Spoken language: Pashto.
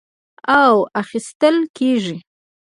او اخىستل کېږي،